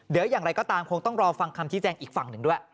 เดี๋ยวอย่างไรก็ตามคงต้องรอฟังคำชี้แจงอีกฝั่งหนึ่งด้วย